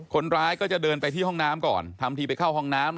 คนร้ายก็จะเดินไปที่ห้องน้ำก่อนทำทีไปเข้าห้องน้ำ